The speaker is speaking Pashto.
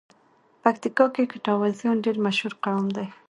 پکیتیکا کې ګټوازیان ډېر مشهور قوم دی.